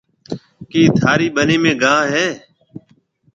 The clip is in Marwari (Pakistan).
ڪِي ٿارِي ٻنِي ۾ گاها هيَ؟